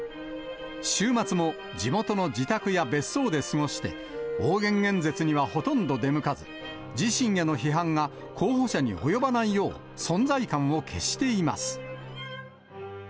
週末も地元の自宅や別荘で過ごして、応援演説にはほとんど出向かず、自身への批判が候補者に及ばないよう、存在感を消しています。